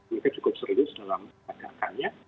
mungkin cukup serius dalam menjagakannya